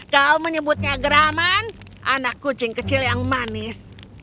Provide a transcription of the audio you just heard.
kau menyebutnya geraman anak kucing kecil yang manis